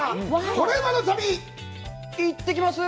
コレうまの旅、行ってきます。